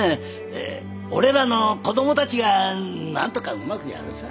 俺らの子どもたちがなんとかうまくやるさ。